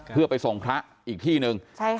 เพื่อไปส่งพระอีกที่หนึ่ง